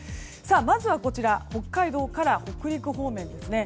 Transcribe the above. まずは、こちら北海道から北陸方面ですね。